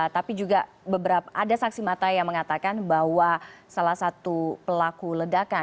tapi juga ada saksi mata yang mengatakan bahwa salah satu pelaku ledakan